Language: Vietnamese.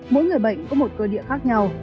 mỗi người bệnh có một cơ địa khác nhau